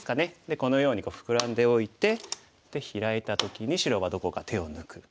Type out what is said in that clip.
このようにフクラんでおいてヒラいた時に白はどこか手を抜く。